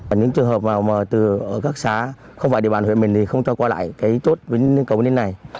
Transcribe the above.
ở những trường hợp từ các xá không phải địa bàn huyện mình thì không cho qua lại chốt bến cầu bên đây này